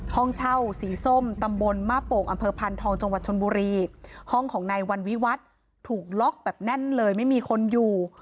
ห้องเช่าสีส้มตำบลมาโป่งอำเภอพันธองจังหวัดชนบุรีห้องของนายวันวิวัฒน์ถูกล็อกแบบแน่นเลยไม่มีคนอยู่